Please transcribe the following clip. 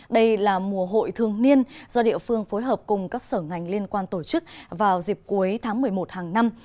đây là mùa hội thương niên do địa phương phối hợp cùng các sở ngành liên quan tổ chức vào dịp cuối tháng một mươi một hàng năm